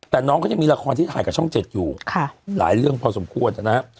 แต่น้องเขายังมีละครที่ถ่ายกับช่อง๗อยู่หลายเรื่องพอสมควรนะฮะ